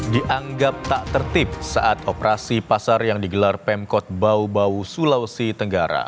dianggap tak tertib saat operasi pasar yang digelar pemkot bau bau sulawesi tenggara